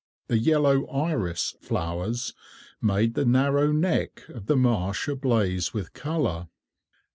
The yellow iris flowers made the narrow neck of marsh ablaze with colour.